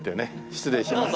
失礼します。